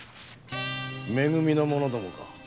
め組の者どもか？